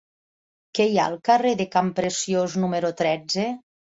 Què hi ha al carrer de Campreciós número tretze?